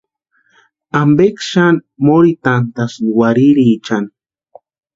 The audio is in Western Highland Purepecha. ¿Ampeksï xani morhitantasïni warhiriechani?